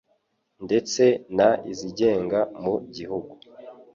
ndetse n izigenga mu gihugu